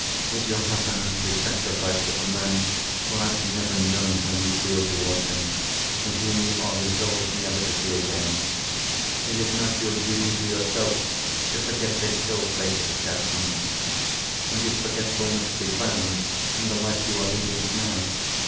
Is your happiness to be sacrificed to a man who has never known how you feel towards him, and whom you are resolved never to see again? Is it not your duty to yourself to forget this ill fated attachment? and is forgetfulness to be found in the life you are leading now?